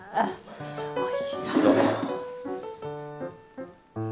おいしそう！